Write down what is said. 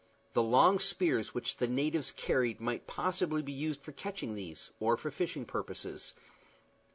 The long spears which the natives carried might possibly be used for catching these, or for fishing purposes.